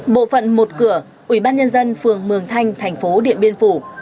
bộ phận một cửa ủy ban nhân dân phường mường thanh thành phố điện biên phủ